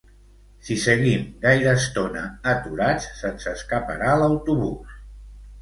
Si seguim gaire estona aturats se'ns escaparà l'autobús